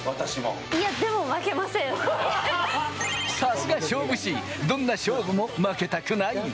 さすが勝負師、どんな勝負も負けたくない！